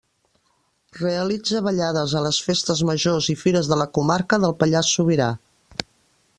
Realitza ballades a les festes majors i fires de la comarca del Pallars Sobirà.